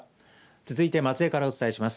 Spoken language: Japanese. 続いて、松江からお伝えします。